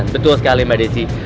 betul sekali mbak desy